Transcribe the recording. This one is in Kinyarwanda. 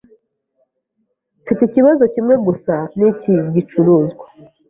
Mfite ikibazo kimwe gusa niki gicuruzwa.